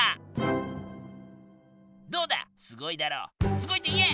すごいって言え！